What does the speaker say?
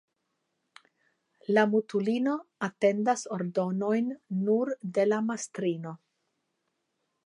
La mutulino atendas ordonojn nur de la mastrino.